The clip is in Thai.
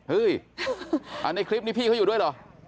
เฮ้ยในคลิปนี้พี่เค้าอยู่ด้วยหรือ